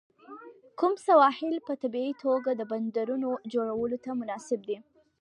کوم سواحل په طبیعي توګه د بندرونو جوړولو ته مناسب دي؟